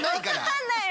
わかんないよ。